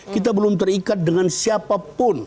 kita belum terikat dengan siapa pun